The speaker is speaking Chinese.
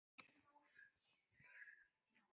致仕去世。